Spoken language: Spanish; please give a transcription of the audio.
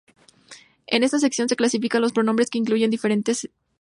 En esta sección se clasifican los pronombres que incluyen diferencias de persona.